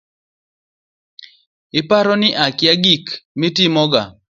Iparo ni akia gik mitimoga